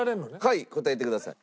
はい答えてください。